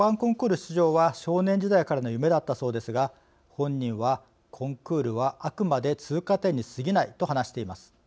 出場は少年時代からの夢だったそうですが、本人は「コンクールはあくまで通過点に過ぎない」と話しています。